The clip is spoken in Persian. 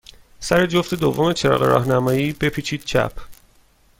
سر جفت دوم چراغ راهنمایی، بپیچید چپ.